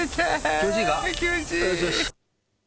気持ちいい。